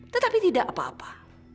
tetapi tidak apa apa